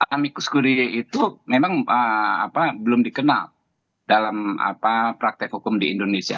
amicus curia itu memang belum dikenal dalam praktek hukum di indonesia